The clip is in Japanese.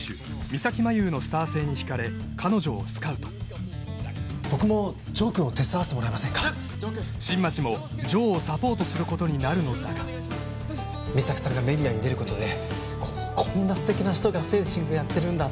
三咲麻有のスター性にひかれ彼女をスカウト僕も城君を手伝わせてもらえませんか？することになるのだが三咲さんがメディアに出ることでこんな素敵な人がフェンシングやってるんだ